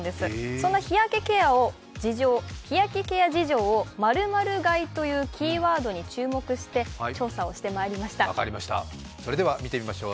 そんな日焼けケア事情を○○買いというキーワードに注目して調査してまいりました。